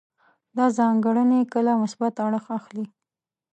دا ځانګړنې کله مثبت اړخ اخلي.